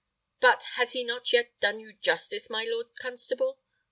But has he not done you justice, my lord constable?